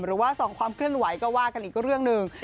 หรือว่าส่องความเคลื่อนไหวก็ว่ากันอีกเรื่องหนึ่ง